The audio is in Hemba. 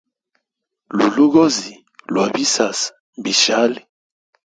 Lulugozi lwa bisasa mbishali.